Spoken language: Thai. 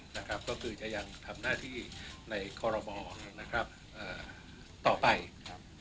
นะครับก็คือจะยังทำหน้าที่ในคอรมอนะครับเอ่อต่อไปครับ